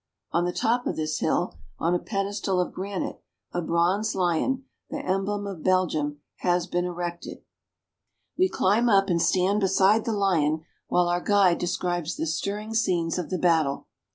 On the top of this hill, on a pedestal of granite, a bronze lion, the emblem of Belgium, has been erected. We climb up and stand beside the lion while our guide de *>''"'.■■ scribes the stirring scenes of the battle.